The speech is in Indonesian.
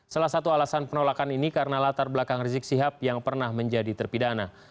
salah satu alasan penolakan ini karena latar belakang rizik sihab yang pernah menjadi terpidana